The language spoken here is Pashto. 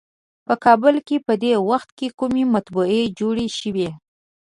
په کابل کې په دې وخت کومې مطبعې جوړې شوې.